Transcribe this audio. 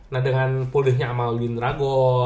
nah dengan pulehnya sama william drago